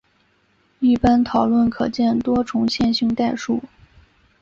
一般讨论可见多重线性代数。